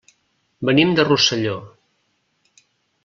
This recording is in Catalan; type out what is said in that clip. Venim de Rosselló.